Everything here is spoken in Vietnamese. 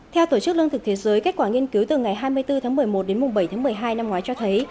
theo tổ chức lương thực thế giới kết quả nghiên cứu từ ngày hai mươi bốn tháng một mươi một đến bảy tháng một mươi hai năm ngoái cho thấy